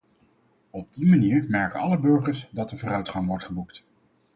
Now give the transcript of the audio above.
Op die manier merken alle burgers dat er vooruitgang wordt geboekt.